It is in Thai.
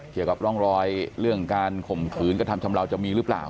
เกี่ยวกับร่องรอยเรื่องการข่มขืนกระทำชำราวจะมีหรือเปล่า